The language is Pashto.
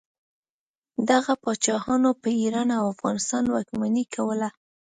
دغه پاچاهانو په ایران او افغانستان واکمني کوله.